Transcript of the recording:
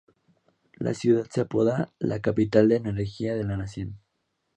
La ciudad se apoda "La capital de la Energía de la Nación.